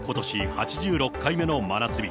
８６回目の真夏日。